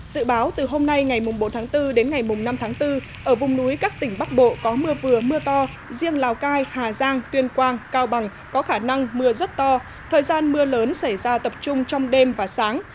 dự báo từ hôm nay ngày bốn tháng bốn đến ngày năm tháng bốn ở vùng núi các tỉnh bắc bộ có mưa vừa mưa to riêng lào cai hà giang tuyên quang cao bằng có khả năng mưa rất to thời gian mưa lớn xảy ra tập trung trong đêm và sáng